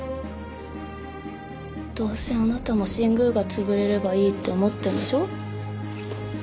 どうせあなたも新宮が潰れればいいって思ってんでしょ？